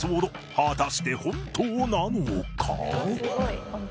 果たして本当なのか？